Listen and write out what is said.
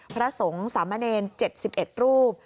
พระสงฆ์ษามเนนเจ็ดสิบเอ็ดรูป